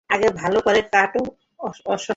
আগে ভালো করে কাটো অন্তত।